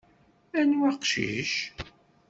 Anwa aqcic?